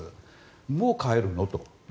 もう変えるの？と。